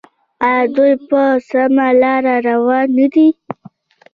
آیا دوی په سمه لار روان نه دي؟